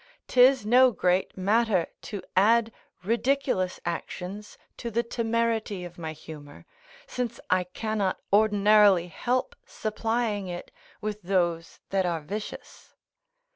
'Tis no great matter to add ridiculous actions to the temerity of my humour, since I cannot ordinarily help supplying it with those that are vicious.